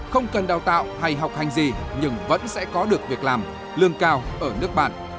họ hay học hành gì nhưng vẫn sẽ có được việc làm lương cao ở nước bạn